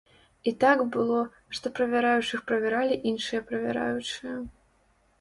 І так было, што правяраючых правяралі іншыя правяраючыя.